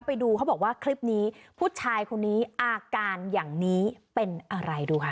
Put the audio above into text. ไปดูเขาบอกว่าคลิปนี้ผู้ชายคนนี้อาการอย่างนี้เป็นอะไรดูค่ะ